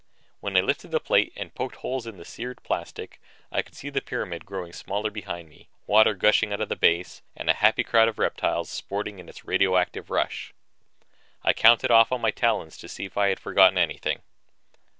When I lifted the plate and poked holes in the seared plastic, I could see the pyramid growing smaller behind me, water gushing out of the base and a happy crowd of reptiles sporting in its radioactive rush. I counted off on my talons to see if I had forgotten anything.